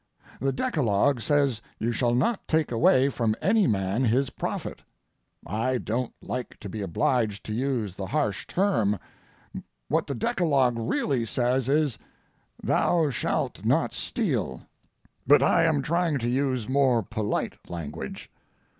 The decalogue says you shall not take away from any man his profit. I don't like to be obliged to use the harsh term. What the decalogue really says is, "Thou shalt not steal," but I am trying to use more polite language.